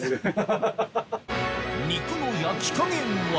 肉の焼き加減は？